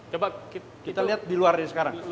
coba kita lihat di luar ini sekarang